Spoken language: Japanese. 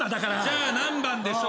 じゃあ何番でしょう？